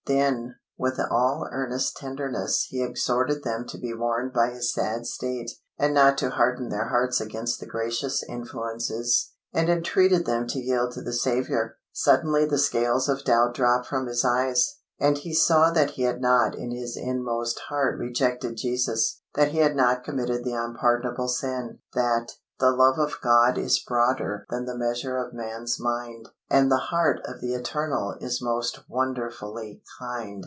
Then, with all earnest tenderness, he exhorted them to be warned by his sad state, and not to harden their hearts against the gracious influences, and entreated them to yield to the Saviour. Suddenly the scales of doubt dropped from his eyes, and he saw that he had not in his inmost heart rejected Jesus; that he had not committed the unpardonable sin; that "The love of God is broader Than the measure of man's mind: And the heart of the Eternal Is most wonderfully kind."